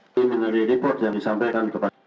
di menurut report yang disampaikan kepada kami